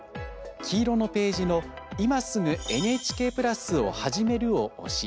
黄色のページの「今すぐＮＨＫプラスをはじめる」を押し